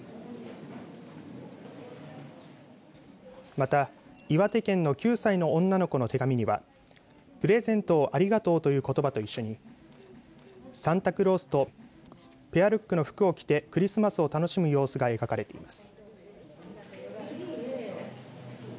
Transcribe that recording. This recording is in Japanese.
また岩手県の９歳の女の子の手紙にはプレゼントをありがとうということばと一緒にサンタクロースとペアルックの服を着てクリスマスを楽しむ様子が描かれています。